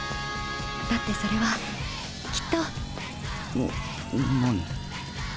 だってそれはきっとな何？